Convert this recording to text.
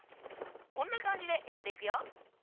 こんなかんじでやっていくよ。